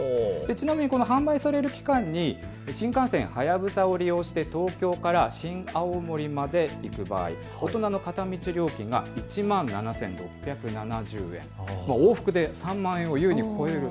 ちなみに販売される期間に新幹線はやぶさを利用して東京から新青森まで行く場合、大人の片道料金が１万７６７０円、往復で３万円を優に超える。